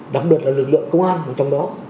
đặc biệt là lực lượng công an trong đó